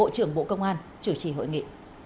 trưởng bộ công an chủ trì hội nghị